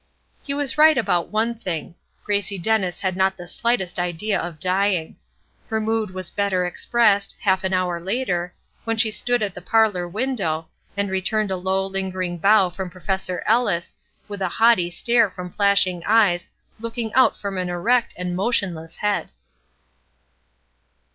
He was right about one thing: Gracie Dennis had not the slightest idea of dying. Her mood was better expressed, half an hour later, when she stood at the parlor window, and returned a low, lingering bow from Professor Ellis, with a haughty stare from flashing eyes, looking out from an erect and motionless head.